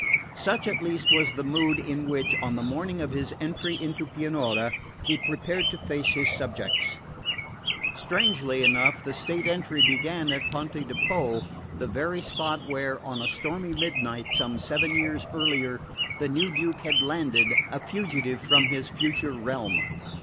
Such at least was the mood in which, on the morning of his entry into Pianura, he prepared to face his subjects. Strangely enough, the state entry began at Ponte di Po, the very spot where, on a stormy midnight some seven years earlier, the new Duke had landed, a fugitive from his future realm.